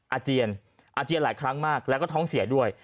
อาเจียนอาเจียนหลายครั้งมากแล้วก็ท้องเสียด้วย